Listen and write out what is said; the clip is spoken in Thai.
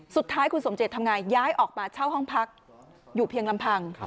สุดท้ายคุณสมเจตทำไงย้ายออกมาเช่าห้องพักอยู่เพียงลำพัง